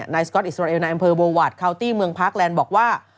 สก๊อตอิสราเอลในอำเภอโววาสคาวตี้เมืองพาร์คแลนด์บอกว่า